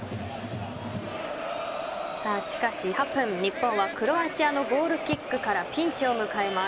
しかし８分日本はクロアチアのゴールキックからピンチを迎えます。